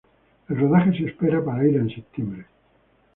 El rodaje se espera para ir a en septiembre.